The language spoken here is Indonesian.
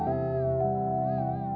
ya allah aku berdoa kepada tuhan